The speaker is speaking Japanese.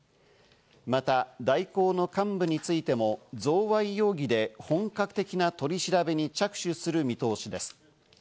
また大広の幹部についても贈賄容疑で本格的な取り調べに着手する見通しです。